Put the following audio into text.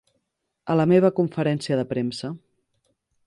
A la meva conferència de premsa.